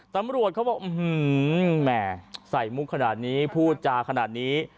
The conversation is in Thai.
ตำรวจเขาบอกแหม่ใส่มุกขนาดนี้พูดจาขนาดนี้